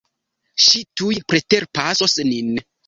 Ŝi tuj preterpasos nin.